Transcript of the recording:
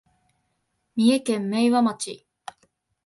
三重県明和町